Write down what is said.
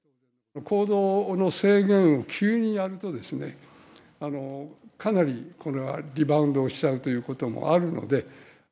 行動の制限を急にやるとですね、かなりこれはリバウンドしちゃうということもあるので。